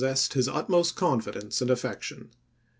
sessed his utmost confidence and affection.